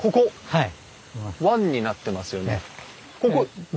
はい。